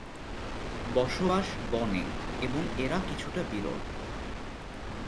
বসবাস বনে এবং এরা কিছুটা বিরল।